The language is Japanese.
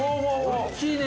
◆大きいね。